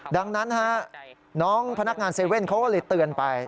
ดังนั้นน้องพนักงาน๗๑๑เขาก็เลยเตือนไป